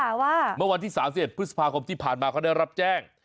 ว่าเมื่อวันที่๓๑พฤษภาคมที่ผ่านมาเขาได้รับแจ้ง